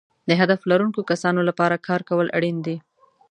د هدف لرونکو کسانو لپاره کار کول اړین دي.